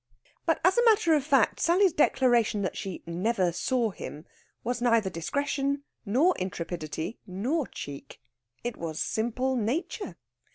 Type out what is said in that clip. But, as a matter of fact, Sally's declaration that she "never saw" him was neither discretion, nor intrepidity, nor cheek. It was simple Nature.